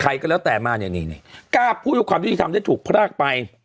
ใครก็แล้วแต่มาเนี่ยนี่กล้าพูดว่าความยุติธรรมได้ถูกพรากไป